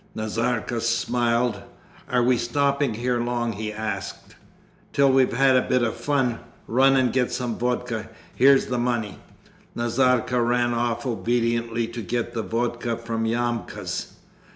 Nazarka smiled. 'Are we stopping here long?' he asked. Till we've had a bit of fun. Run and get some vodka. Here's the money.' Nazarka ran off obediently to get the vodka from Yamka's.